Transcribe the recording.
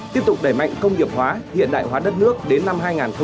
tiếp tục đẩy mạnh công nghiệp hóa hiện đại hóa đất nước đến năm hai nghìn hai mươi